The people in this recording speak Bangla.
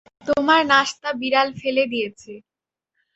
তোমার নাশতা তো বিড়াল ফেলে দিয়েছে।